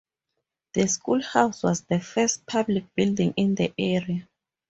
The school house was the first public building in the area.